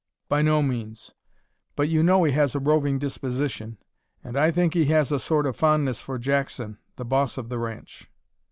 "By no means. But you know he has a roving disposition, and I think he has a sort of fondness for Jackson the boss of the ranch."